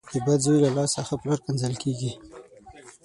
د بد زوی له لاسه ښه پلار کنځل کېږي.